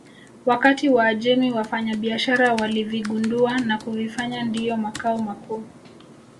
Wakati Waajemi wafanyabiashara walivigundua na kuvifanya ndiyo makao makuu